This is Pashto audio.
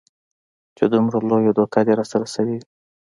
چې دومره لويه دوکه دې راسره سوې وي.